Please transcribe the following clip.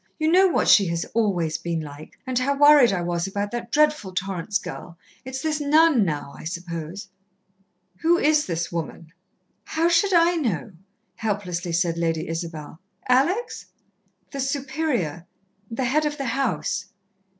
You know what she has always been like, and how worried I was about that dreadful Torrance girl. It's this nun now, I suppose." "Who is this woman?" "How should I know?" helplessly said Lady Isabel. "Alex?" "The Superior the Head of the house."